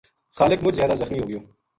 خالق مُچ زیادہ زخمی ہو گیو